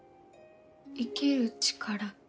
生きる力。